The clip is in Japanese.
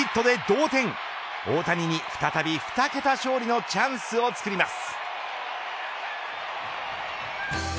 大谷に再び大谷に再び２桁勝利のチャンスを作ります。